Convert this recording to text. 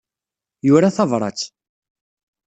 Yura tabṛat.